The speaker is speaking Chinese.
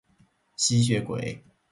吸血鬼